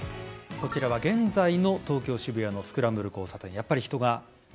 こちらは現在の東京・渋谷のスクランブル交差点。